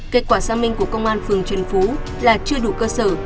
kết quả xác minh của công an phường trần phú là chưa đủ cơ sở